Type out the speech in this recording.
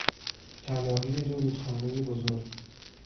تلاقی دو رودخانهی بزرگ